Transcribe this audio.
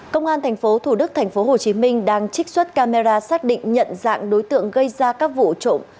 công an tp thủ đức tp hcm đang trích xuất camera xác định nhận dạng đối tượng gây ra các vụ trộm